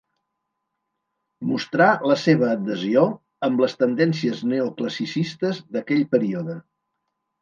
Mostrà la seva adhesió amb les tendències neoclassicistes d'aquell període.